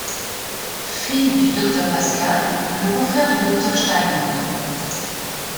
Fille du Docteur Pascalle, le confrère du Dr Steiner.